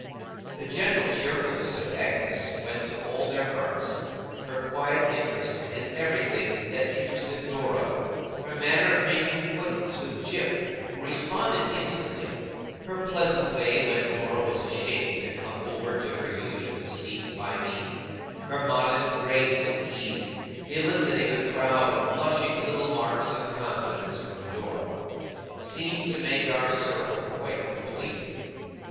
The gentle cheerfulness of Agnes went to all their hearts. Her quiet interest in everything that interested Dora; her manner of making acquaintance with Jip (who responded instantly); her pleasant way, when Dora was ashamed to come over to her usual seat by me; her modest grace and ease, eliciting a crowd of blushing little marks of confidence from Dora; seemed to make our circle quite complete.